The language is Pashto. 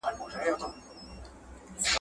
را رسوا مي جانان نه کړې چي نن شپه ماته راځینه!